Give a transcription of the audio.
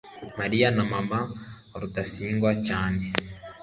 mariya ni mama wa rudasingwa cyane